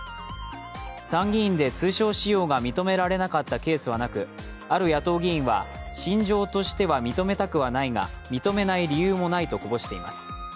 参議院で通称使用が認められなかったケースはなくある野党議員は、心情としては認めたくはないが認めない理由もないとこぼしています。